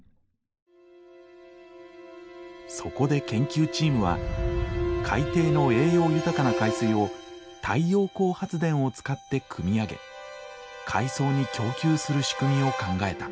そこで研究チームは海底の栄養豊かな海水を太陽光発電を使ってくみ上げ海藻に供給する仕組みを考えた。